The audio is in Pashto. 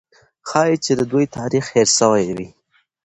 ښایي چې د دوی تاریخ هېر سوی وي.